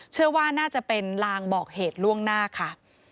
เชื่อว่าน่าจะเป็นลางบอกเหตุล่วงหน้าค่ะ